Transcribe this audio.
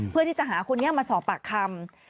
เพื่อที่จะหาคนนี้มาสอบปากคำ